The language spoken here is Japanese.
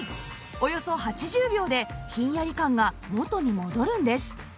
およそ８０秒でひんやり感が元に戻るんです